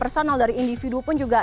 personal dari individu pun juga